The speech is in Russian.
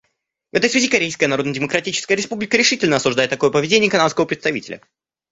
В этой связи Корейская Народно-Демократическая Республика решительно осуждает такое поведение канадского представителя.